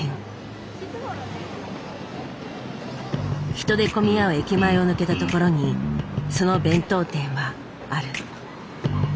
人で混み合う駅前を抜けたところにその弁当店はある。